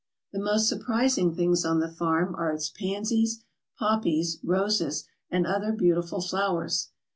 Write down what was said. The most surprising things on the farm are its pansies, poppies, roses, and other beautiful flowers.